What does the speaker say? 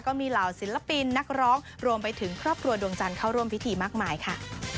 เหล่าศิลปินนักร้องรวมไปถึงครอบครัวดวงจันทร์เข้าร่วมพิธีมากมายค่ะ